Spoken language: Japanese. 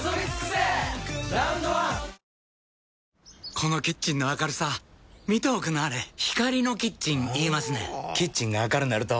このキッチンの明るさ見ておくんなはれ光のキッチン言いますねんほぉキッチンが明るなると・・・